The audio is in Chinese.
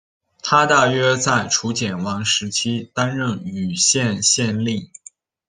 他大约在楚简王时期担任圉县县令。